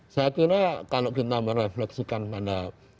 saya kira kalau kita merefleksikan pada dua ribu dua belas